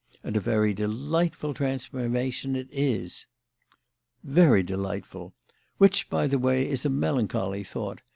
And a very delightful transformation it is." "Very delightful; which, by the way, is a melancholy thought.